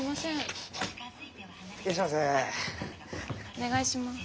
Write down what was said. お願いします。